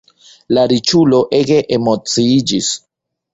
La riĉulo ege emociiĝis.